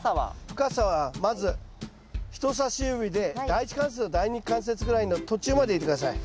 深さはまず人さし指で第１関節と第２関節ぐらいの途中まで入れて下さい。